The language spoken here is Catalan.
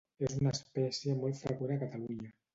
És una espècie molt freqüent a Catalunya.